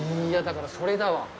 いや、だからそれだわ。